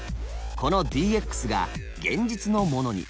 このＤＸが現実のものに。